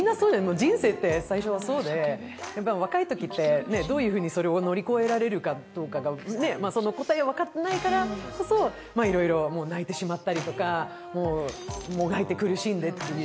人生って最初はそうで、若いときってどういうふうにそれを乗り越えられるかどうか、その答えが分からないからこそいろいろ泣いてしまったりとかもがいて苦しんでという。